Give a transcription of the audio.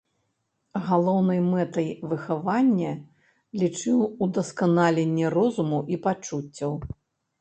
Галоўнай мэтай выхавання лічыў ўдасканаленне розуму і пачуццяў.